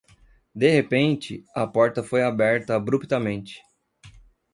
De repente, a porta foi aberta abruptamente